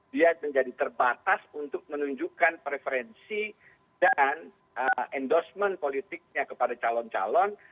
dia menjadi terbatas untuk menunjukkan preferensi dan endorsement politiknya kepada calon calon